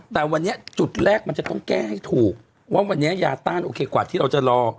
แต่วันนี้จุดแรกมันจะต้องแก้ให้ถูกว่าวันนี้ยาต้านโอเคกว่าที่เราจะรอ